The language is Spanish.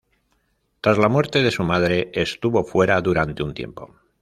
Tras la muerte de su madre, estuvo fuera durante un tiempo.